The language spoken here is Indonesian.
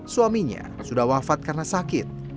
suaminya sudah wafat karena sakit